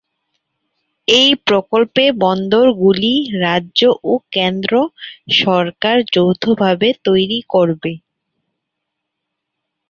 এই প্রকল্পে বন্দর গুলি রাজ্য ও কেন্দ্র সরকার যৌথ ভাবে তৈরি করবে।